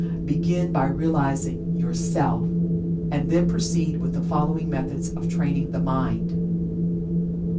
Begin by realizing YOURSELF, and then proceed with the following methods of training the mind.